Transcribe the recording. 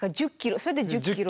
それで１０キロ。